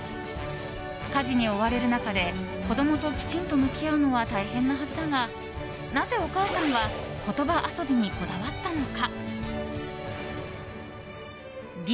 家事に追われる中で子供ときちんと向き合うのは大変なはずだがなぜ、お母さんは言葉遊びにこだわったのか。